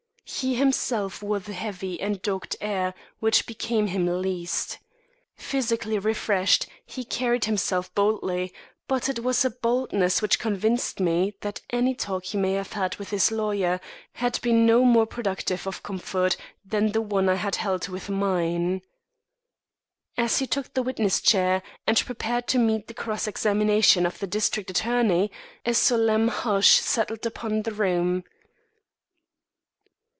He, himself, wore the heavy and dogged air which became him least. Physically refreshed, he carried himself boldly, but it was a boldness which convinced me that any talk he may have had with his lawyer, had been no more productive of comfort than the one I had held with mine. As he took the witness chair, and prepared to meet the cross examination of the district attorney, a solemn hush settled upon the room.